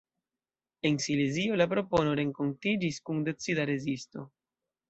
En Silezio la propono renkontiĝis kun decida rezisto.